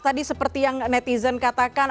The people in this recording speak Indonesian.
tadi seperti yang netizen katakan